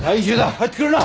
入ってくるな